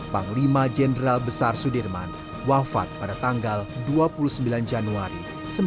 panglima jenderal besar sudirman wafat pada tanggal dua puluh sembilan januari seribu sembilan ratus empat puluh lima